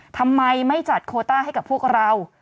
ทำไมไม่จัดโคต้าให้กับพวกเรา